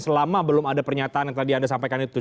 selama belum ada pernyataan yang tadi anda sampaikan itu